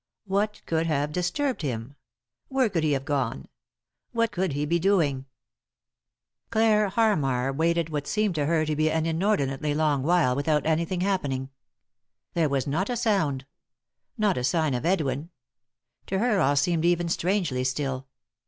What could have disturbed him ? Where could he have gone ? What could he be doing ? Clare Hannar waited what seemed to her to be an inordinately long while without anything happening. There was not a sound ; not a sign of Edwin ; to her, all seemed even strangely still.